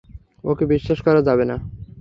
ওকে বিশ্বাস করা যাবে না।